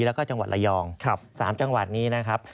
แล้วก็จังหวัดระยอง๓จังหวัดนี้นะครับ